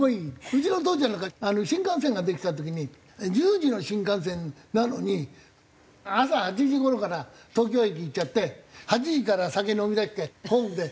うちの父ちゃんなんか新幹線ができた時に１０時の新幹線なのに朝８時頃から東京駅行っちゃって８時から酒飲みだしてホームで。